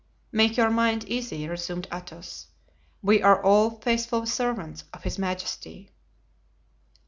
"Make your mind easy," resumed Athos, "we are all faithful servants of his majesty."